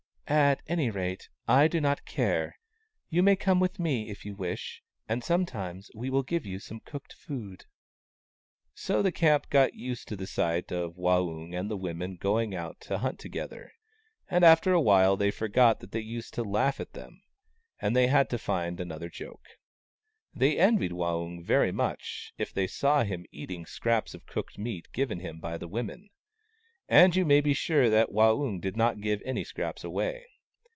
" At any rate, I do not care. You may come with me if you wish, and sometimes we will give you some cooked food." So the camp got used to the sight of Waung and the women going out to hunt together ; and after a while they forgot that they used to laugh at them, and they had to find another joke. They envied Waung very much if they saw him eating scraps of cooked meat given him by the women : and you may be sure that Waung did not give any scraps away.